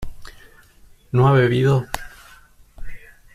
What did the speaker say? ¿no ha bebido?